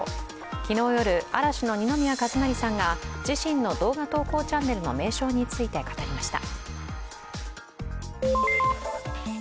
昨日夜、嵐の二宮和也さんが自身の動画投稿チャンネルの名称について語りました。